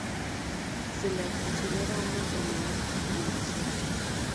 Se la considera una enfermedad invasora.